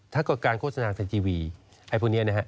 ถ้าการโฆษณาในทีวี